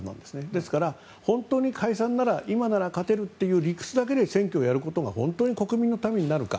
ですから、本当に解散なら今なら勝てるという理屈だけで選挙をやることが本当に国民のためになるのか。